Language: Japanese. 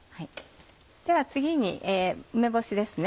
では次に梅干しですね。